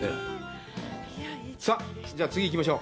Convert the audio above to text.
さあ、じゃあ、次、行きましょう。